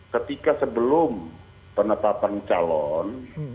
ketika sebelum penetapan calon